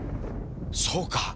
そうか。